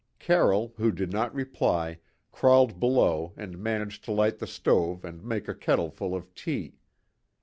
Carroll, who did not reply, crawled below and managed to light the stove and make a kettleful of tea.